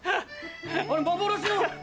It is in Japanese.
あれ幻の。